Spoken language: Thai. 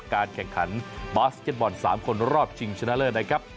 การแข่งขันบาสเก็ตบอล๓คนรอบชิงชนะเลิศนะครับ